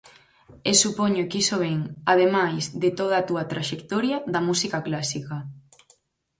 E supoño que iso vén, ademais de toda a túa traxectoria, da música clásica.